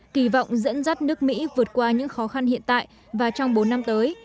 kỳ vọng dẫn dắt nước mỹ vượt qua những khó khăn hiện tại và trong bốn năm tới